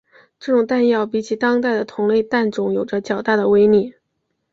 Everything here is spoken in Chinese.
这种弹药比起当代的同类弹种有着较大的威力。